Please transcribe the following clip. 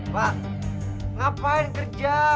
pak ngapain kerja